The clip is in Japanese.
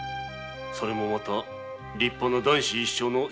それもまた立派な男子一生の仕事だ。